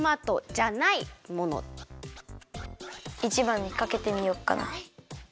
１ばんにかけてみよっかな。